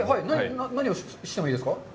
何をしたらいいですか？